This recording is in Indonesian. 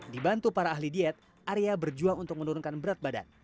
dibantu para ahli diet arya berjuang untuk menurunkan berat badan